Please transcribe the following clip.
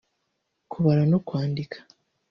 kubara no kwandika